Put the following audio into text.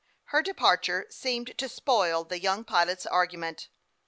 Her departure seemed to spoil the young pilot's argument.